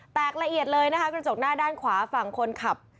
ละเอียดเลยนะคะกระจกหน้าด้านขวาฝั่งคนขับ